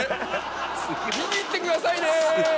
見に行ってくださいね！